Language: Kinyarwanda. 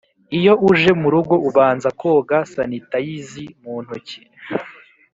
Iyo uje murugo ubanza koga sanitayizi mu ntoki